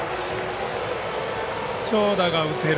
長打が打てる